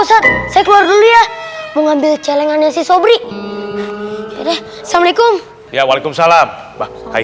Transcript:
saya keluar ya mau ngambil celengannya si sobri assalamualaikum waalaikumsalam hai